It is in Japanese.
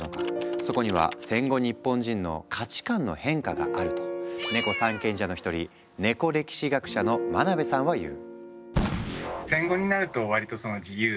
そこには戦後日本人の価値観の変化があると「ネコ三賢者」の一人ネコ歴史学者の真辺さんは言う。